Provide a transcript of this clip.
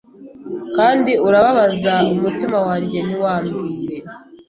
kandi ubabaza umutima wanjye Ntiwambwiye